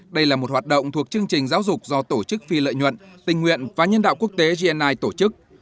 đây là một hoạt động thuộc chương trình giáo dục do tổ chức phi lợi nhuận tình nguyện và nhân đạo quốc tế gni tổ chức